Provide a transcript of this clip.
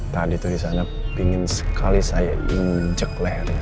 tadi tuh disana pingin sekali saya injek lehernya